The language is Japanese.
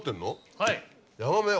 はい。